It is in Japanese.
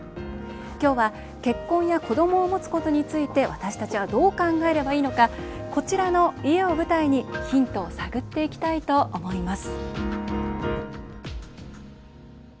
今日は、結婚や子どもを持つことについて私たちは、どう考えればいいのかこちらの家を舞台にヒントを探っていきたいと思います。